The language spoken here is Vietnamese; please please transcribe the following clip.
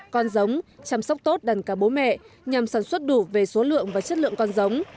con giống chăm sóc tốt đàn cá bố mẹ nhằm sản xuất đủ về số lượng và chất lượng con giống